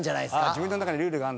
自分の中にルールがあるんだ。